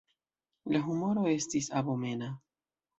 La humoro estis abomena.